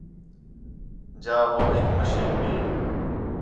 جئے ہو ہِک مشین بھی